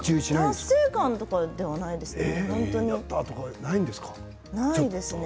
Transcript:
達成感とかはないですね。